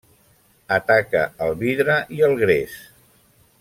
Ataca el vidre i el gres.